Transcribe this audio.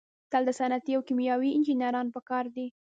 دلته صنعتي او کیمیاوي انجینران پکار دي.